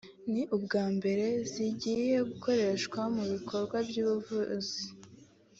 ni ubwa mbere zigiye gukoreshwa mu bikorwa by’ubuvuzi